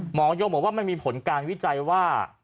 หมอยงบอกว่ามันมีผลการวิจัยว่า